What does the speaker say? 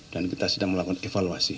dan kita sedang melakukan evaluasi